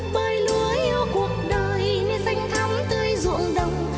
bơi lúa yêu cuộc đời nơi xanh thắm tươi ruộng đông